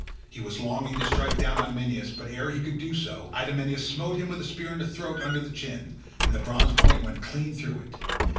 He was longing to strike down Idomeneus, but ere he could do so Idomeneus smote him with his spear in the throat under the chin, and the bronze point went clean through it.